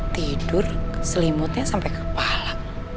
tidur selimutnya sampe kepala